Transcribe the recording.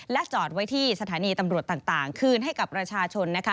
และจอดไว้ที่สถานีตำรวจต่างคืนให้กับประชาชน